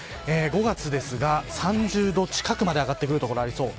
５月ですが３０度近くまで上がってくる所がありそう。